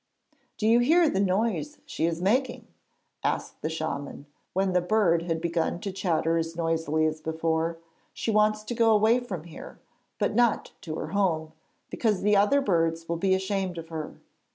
'Do you hear the noise she is making?' asked the shaman, when the bird had begun to chatter as noisily as before. 'She wants to go away from here, but not to her home, because the other birds will be ashamed of her.